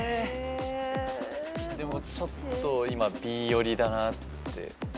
でもちょっと今Ｂ寄りだなって思ってますね。